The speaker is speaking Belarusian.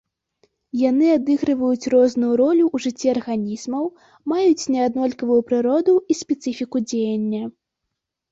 Яны адыгрываюць розную ролю ў жыцці арганізмаў, маюць неаднолькавую прыроду і спецыфіку дзеяння.